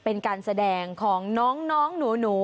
เป็นการแสดงของน้องหนู